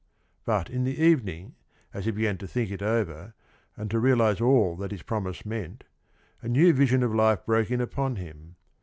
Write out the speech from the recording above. But in the evening, as he began to think it over, and to realize all that his promise meant, a new vision of life broke in upon him.